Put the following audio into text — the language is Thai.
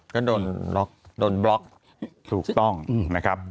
ก็โดนล็อกโดนบล๊อก